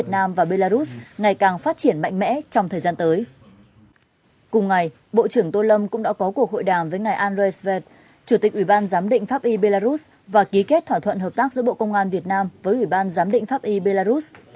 cùng ngày bộ trưởng tô lâm cũng đã có cuộc hội đàm với ngài andreis ve chủ tịch ủy ban giám định pháp y belarus và ký kết thỏa thuận hợp tác giữa bộ công an việt nam với ủy ban giám định pháp y belarus